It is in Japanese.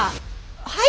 はい！